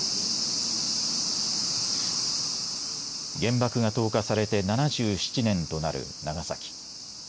原爆が投下されて７７年となる長崎。